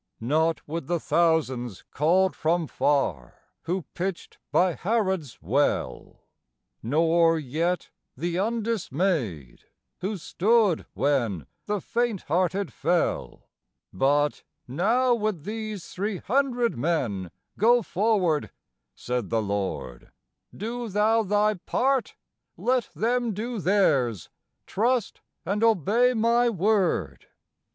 Not with the thousands called from far, who pitched by Harod's well; Nor yet the undismayed who stood when the faint hearted fell; But "Now, with these three hundred men, go forward," said the Lord; "Do thou thy part, let them do theirs, trust, and obey my word."